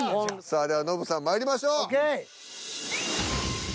さあではノブさんまいりましょう。